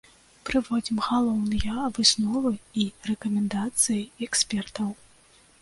Прыводзім галоўныя высновы і рэкамендацыі экспертаў.